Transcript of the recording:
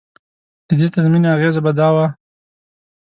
د دې تضمین اغېزه به دا وه.